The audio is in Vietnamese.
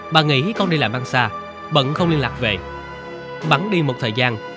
bà nghĩ con đi làm ăn xa bận không liên lạc về bẫn đi một thời gian